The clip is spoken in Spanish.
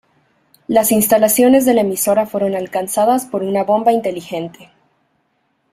Las instalaciones de la emisora fueron alcanzadas por una bomba "inteligente".